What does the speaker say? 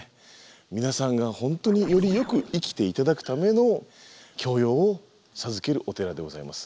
皆さんが本当によりよく生きていただくための教養を授けるお寺でございます。